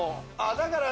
だから。